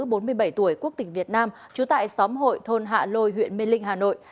nữ bốn mươi bảy tuổi quốc tịch việt nam trú tại xóm hội thôn hạ lôi huyện mê linh hà nội